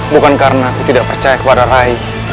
bukan karena aku tidak percaya kepada rai